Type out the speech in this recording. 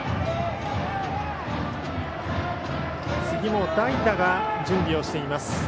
次も代打が準備をしています。